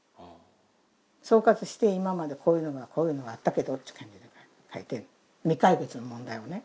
総括して今までこういうのがあったけどっていう感じで書いて未解決の問題をね